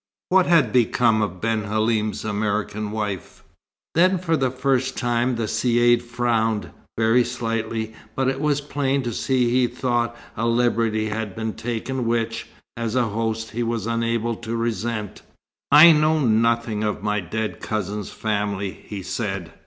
What had become of Ben Halim's American wife? Then, for the first time, the Caïd frowned, very slightly, but it was plain to see he thought a liberty had been taken which, as host, he was unable to resent. "I know nothing of my dead cousin's family," he said.